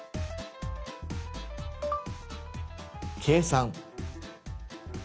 「計算」。